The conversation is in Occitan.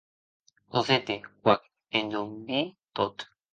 Cosette, qu’ac endonvii tot.